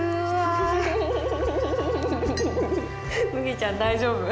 麦ちゃん大丈夫？